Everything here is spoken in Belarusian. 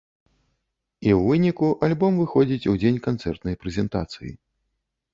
І ў выніку альбом выходзіць у дзень канцэртнай прэзентацыі.